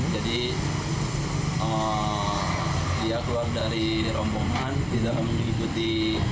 jadi dia keluar dari rombongan tidak mengikuti